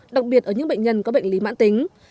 đặc biệt ở những bệnh nhân có bệnh lý mãn tính